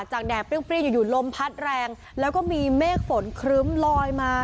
แดดเปรี้ยงอยู่อยู่ลมพัดแรงแล้วก็มีเมฆฝนครึ้มลอยมา